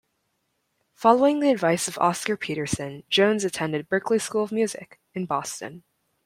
Following the advice of Oscar Peterson, Jones attended Berklee School of Music, in Boston.